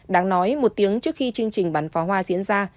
đáng nói một tiếng trước khi chương trình bắn pháo hoa diễn ra